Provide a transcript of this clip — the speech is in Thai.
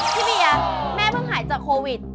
พี่เบียร์แม่เพิ่งหายจากโควิด